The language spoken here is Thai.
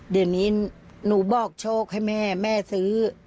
เดี๋ยวนี้หนูบอกโชคให้แม่แม่ซื้อ